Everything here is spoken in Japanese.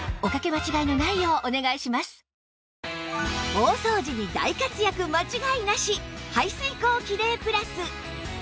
大掃除に大活躍間違いなし排水口キレイプラス